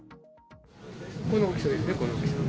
この大きさですね。